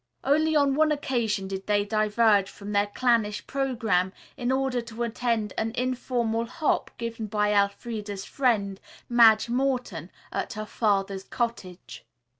Only on one occasion did they diverge from their clannish programme in order to attend an informal hop given by Elfreda's friend, Madge Morton, at her father's cottage.